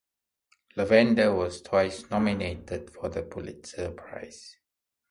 Lavender was twice nominated for the Pulitzer Prize.